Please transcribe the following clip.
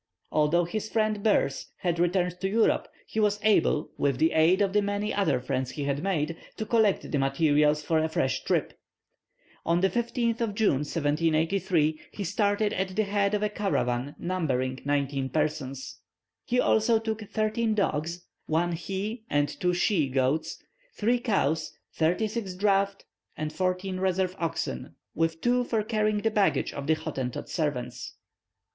Although his friend Boers had returned to Europe, he was able, with the aid of the many other friends he had made, to collect the materials for a fresh trip. On the 15th June, 1783, he started at the head of a caravan numbering nineteen persons. He also took thirteen dogs, one he and two she goats, three cows, thirty six draught and fourteen reserve oxen, with two for carrying the baggage of the Hottentot servants.